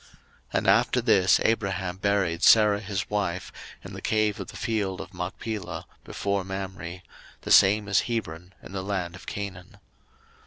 01:023:019 And after this, Abraham buried Sarah his wife in the cave of the field of Machpelah before Mamre: the same is Hebron in the land of Canaan.